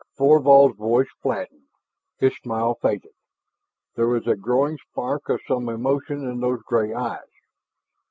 Thorvald's voice flattened, his smile faded, there was a growing spark of some emotion in those gray eyes.